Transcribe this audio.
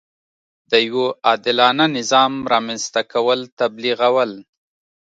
د یوه عادلانه نظام رامنځته کول تبلیغول.